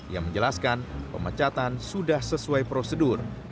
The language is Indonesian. ia menjelaskan pemecatan sudah sesuai prosedur